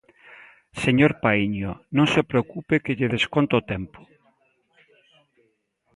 Señor Paíño, non se preocupe que lle desconto o tempo.